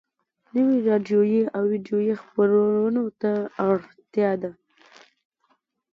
نويو راډيويي او ويډيويي خپرونو ته اړتيا ده.